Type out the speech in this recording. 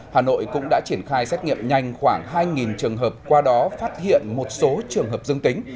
hà nội cũng đã triển khai xét nghiệm nhanh khoảng hai trường hợp qua đó phát hiện một số trường hợp dương tính